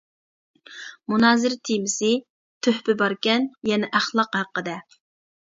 مۇنازىرە تېمىسى: تۆھپە-باركەن يەنە ئەخلاق ھەققىدە.